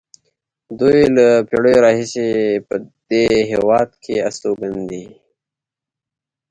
دوی له پېړیو پېړیو راهیسې په دې هېواد کې استوګن دي.